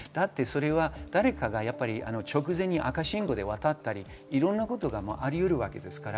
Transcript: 誰かが直前に赤信号で渡ったり、いろんなことがありますから。